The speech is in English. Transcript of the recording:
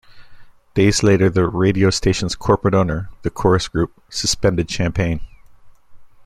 Days later, the radio station's corporate owner, the Corus Group, suspended Champagne.